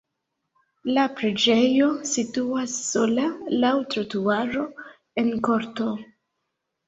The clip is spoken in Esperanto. La preĝejo situas sola laŭ trotuaro en korto.